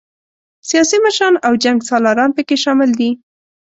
سیاسي مشران او جنګ سالاران پکې شامل دي.